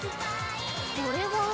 これは。